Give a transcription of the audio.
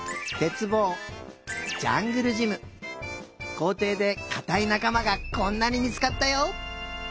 こうていでかたいなかまがこんなにみつかったよ。